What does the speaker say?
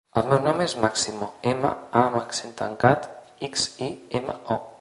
El meu nom és Máximo: ema, a amb accent tancat, ics, i, ema, o.